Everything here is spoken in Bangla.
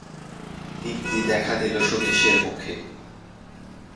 দীপ্তি দেখা দিল সতীশের মুখে।